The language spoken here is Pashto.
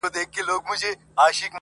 • د سرو شرابو د خُمونو د غوغا لوري_